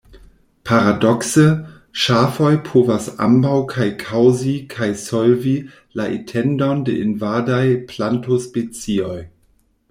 Paradokse, ŝafoj povas ambaŭ kaj kaŭzi kaj solvi la etendon de invadaj plantospecioj.